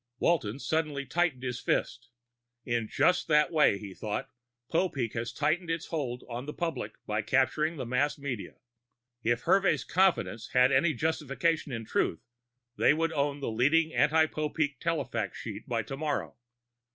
Walton suddenly tightened his fist. In just that way, he thought, Popeek was tightening its hold on the public by capturing the mass media. If Hervey's confidence had any justification in truth, they would own the leading anti Popeek telefax sheet by tomorrow.